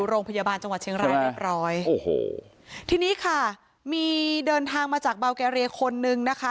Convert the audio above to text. โรงพยาบาลจังหวัดเชียงรายเรียบร้อยโอ้โหทีนี้ค่ะมีเดินทางมาจากเบาแกเรียคนนึงนะคะ